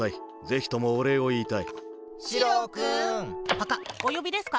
パカッおよびですか？